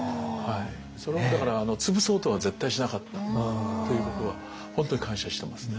それはだから潰そうとは絶対しなかったということは本当に感謝してますね。